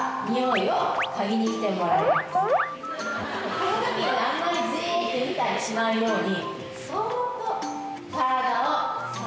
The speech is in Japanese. このときにあんまりジーって見たりしないように。